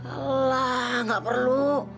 elah gak perlu